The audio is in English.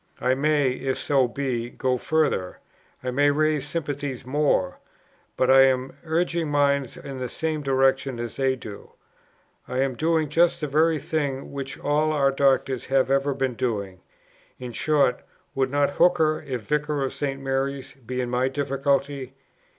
I may, if so be, go further; I may raise sympathies more; but I am but urging minds in the same direction as they do. I am doing just the very thing which all our doctors have ever been doing. In short, would not Hooker, if Vicar of St. Mary's, be in my difficulty?"